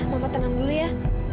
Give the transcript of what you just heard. mama tenang dulu ya